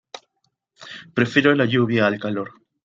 Perifero la lluvia al calor.